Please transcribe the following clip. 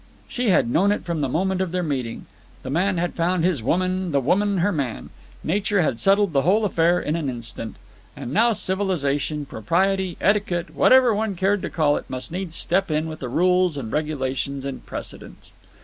She had known it from the moment of their meeting. The man had found his woman, the woman her man. Nature had settled the whole affair in an instant. And now civilization, propriety, etiquette, whatever one cared to call it, must needs step in with the rules and regulations and precedents.